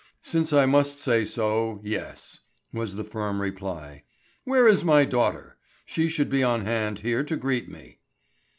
"Since I must say so, yes!" was the firm reply. "Where is my daughter? She should be on hand here to greet me."